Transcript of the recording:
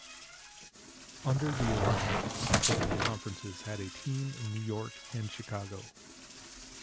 Under the alignment, both conferences had a team in New York and Chicago.